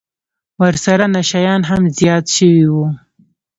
ورسره نشه يان هم زيات سوي وو.